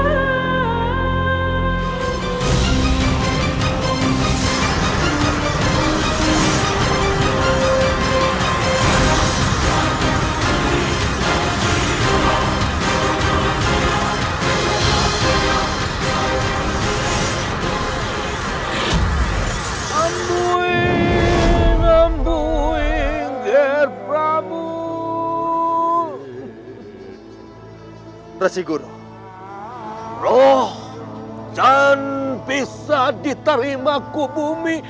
rasiguro roh dan bisa diterimaku bumi berarti ada sesuatu yang memang belum sempurna ger prabu